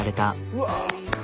うわ。